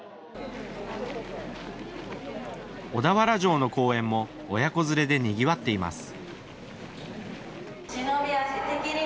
小田原城の公園も親子連れでにぎわっています。